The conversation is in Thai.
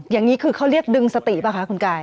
อย่างนี้คือเขาเรียกดึงสติป่ะคะคุณกาย